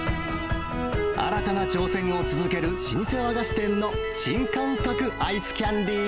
新たな挑戦を続ける老舗和菓子店の新感覚アイスキャンディー